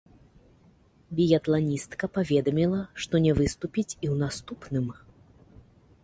Біятланістка паведаміла, што не выступіць і ў наступным.